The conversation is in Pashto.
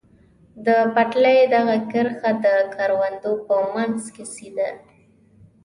د پټلۍ دغه کرښه د کروندو په منځ کې سیده.